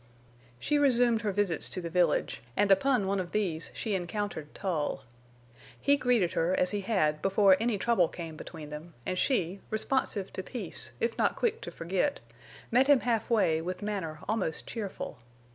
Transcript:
She resumed her visits to the village, and upon one of these she encountered Tull. He greeted her as he had before any trouble came between them, and she, responsive to peace if not quick to forget, met him halfway with manner almost cheerful.